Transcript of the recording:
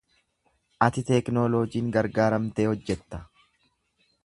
Ati teknooloojiin gargaaramtee hojjatta?